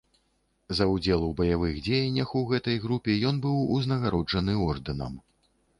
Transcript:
За ўдзел у баявых дзеяннях у гэтай групе ён быў узнагароджаны ордэнам.